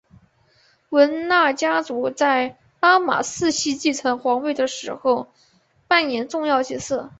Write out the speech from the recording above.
汶那家族在拉玛四世继承皇位的时候扮演重要角色。